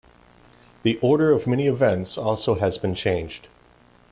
The order of many events also has been changed.